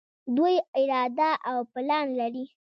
دوی اراده او پلان لري.